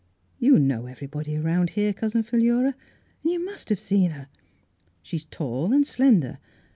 You know everybody around here. Cousin Philura, and you must have seen her. She's tall and slender.